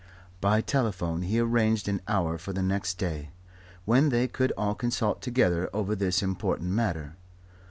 By telephone he arranged an hour for the next day, when they could all consult together over this important matter.